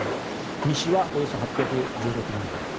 西はおよそ８１６万円